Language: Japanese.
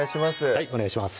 はいお願いします